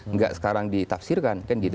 nggak sekarang ditafsirkan kan gitu